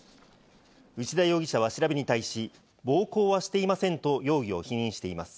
内田容疑者は調べに対し、暴行はしていませんと容疑を否認しています。